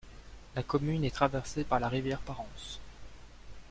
La commune est traversée par la rivière Parence.